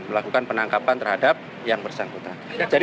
melakukan penangkapan terhadap yang bersangkutan